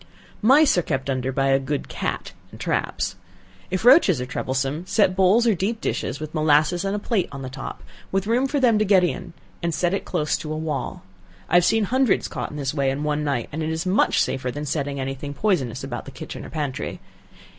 Mice are kept under by a good cat, and traps. If roaches are troublesome, set bowls or deep dishes, with molasses and a plate on the top, with room for them to get in, and set it close to a wall. I have seen hundreds caught in this way in one night, and it is much safer than setting any thing poisonous about the kitchen or pantry.